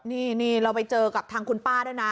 นี่เราไปเจอกับทางคุณป้าด้วยนะ